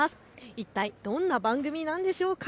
一体どんな番組なんでしょうか。